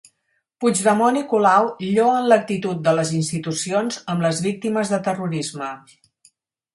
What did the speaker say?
Puigdemont i Colau lloen l'actitud de les institucions amb les víctimes de terrorisme